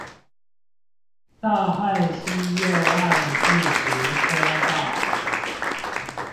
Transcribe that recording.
大漢溪右岸自行車道